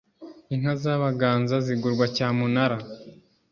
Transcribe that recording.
Inka z' Abaganza zigurwa cyamunara !